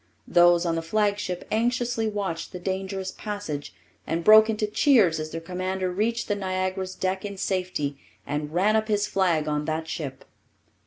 Those on the flagship anxiously watched the dangerous passage, and broke into cheers as their commander reached the Niagara's deck in safety and ran up his flag on that ship.